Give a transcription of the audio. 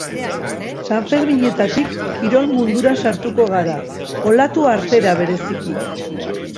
Sanferminetatik kirol mundura sartuko gara, olatu artera bereziki.